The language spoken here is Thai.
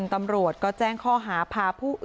ตำรวจก็แจ้งข้อหาพาผู้อื่น